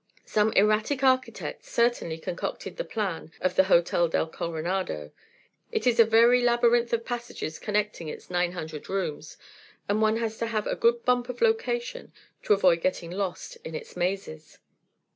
Some erratic architect certainly concocted the plan of the Hotel del Coronado. It is a very labyrinth of passages connecting; its nine hundred rooms, and one has to have a good bump of location to avoid getting lost in its mazes.